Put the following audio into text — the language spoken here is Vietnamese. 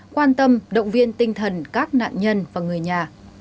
quan tâm động viên tinh thần các nạn nhân và người nhà